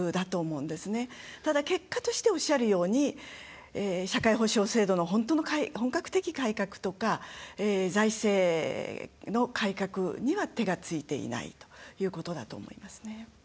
ただ結果としておっしゃるように社会保障制度の本格的改革とか財政の改革には手がついていないということだと思いますね。